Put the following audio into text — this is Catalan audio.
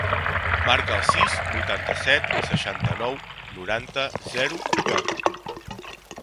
Marca el sis, vuitanta-set, seixanta-nou, noranta, zero, quatre.